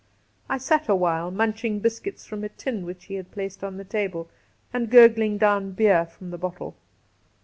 I sat awhile munching biscuits from a tin which he had placed on the table and gurgling down beer from the bottle.